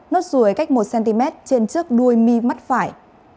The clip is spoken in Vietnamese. nốt ruồi cách một cm trên trước đuôi mi mắt phải